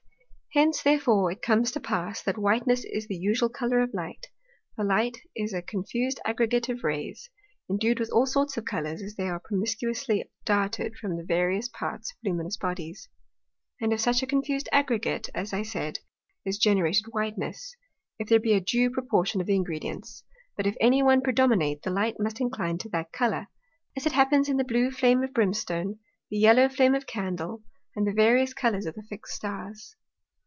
Hence therefore it comes to pass, that Whiteness is the usual Colour of Light; for Light is a confused aggregate of Rays, indued with all sorts of Colours, as they are promiscuously darted from the various parts of luminous Bodies. And of such a confused aggregate, as I said, is generated Whiteness, if there be a due proportion of the Ingredients; but if any one predominate, the Light must incline to that Colour; as it happens in the blue Flame of Brimstone, the yellow Flame of a Candle, and the various Colours of the fixed Stars.